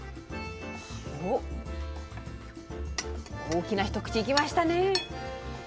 おっ大きな一口いきましたね。